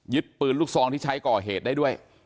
ปืนลูกซองที่ใช้ก่อเหตุได้ด้วย